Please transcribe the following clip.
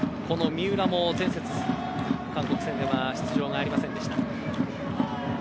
三浦も前節、韓国戦では出場がありませんでした。